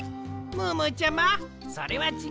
ムームーちゃまそれはちがいます！